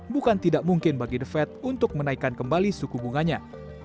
bukan tidak mungkin bagi the fed untuk menaikkan kembali suku bunganya